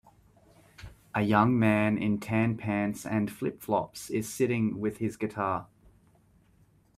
A young man in tan pants and flipflops is sitting with his guitar.